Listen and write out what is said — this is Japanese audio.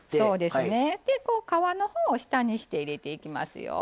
でこう皮の方を下にして入れていきますよ。